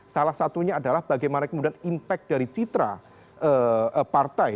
salah satunya adalah bagaimana kemudian impact dari citra partai